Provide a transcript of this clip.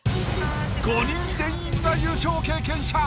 ５人全員が優勝経験者。